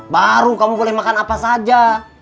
baru kamu boleh makan apa saja